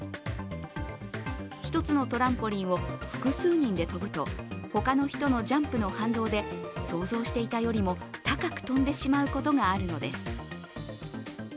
１つのトランポリンを複数人で跳ぶと、他の人のジャンプの反動で想像していたよりも高く跳んでしまうことがあるのです。